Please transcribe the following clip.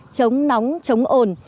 chống nóng chống ổn